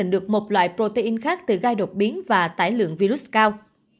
được một loại protein khác từ gai đột biến và tải lượng virus cao